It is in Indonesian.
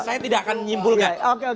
saya tidak akan menyimpulkan